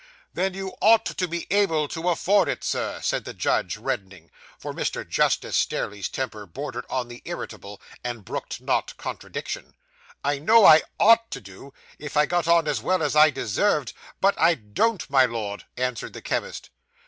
'Then you ought to be able to afford it, Sir,' said the judge, reddening; for Mr. Justice Stareleigh's temper bordered on the irritable, and brooked not contradiction. 'I know I _ought _to do, if I got on as well as I deserved; but I don't, my Lord,' answered the chemist.